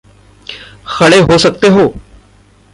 खड़े हो सकते हो?